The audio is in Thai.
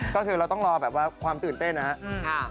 ก็คือเราต้องรอแบบว่าความตื่นเต้นนะครับ